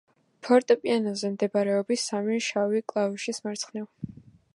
ფორტეპიანოზე მდებარეობს სამი შავი კლავიშის მარცხნივ.